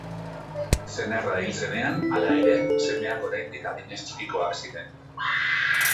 Senarra hil zenean, hala ere, semeak oraindik adinez txikikoak ziren.